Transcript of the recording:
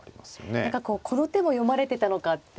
何かこうこの手も読まれてたのかって思うと。